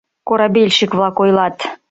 Корабельщик-влак ойлат: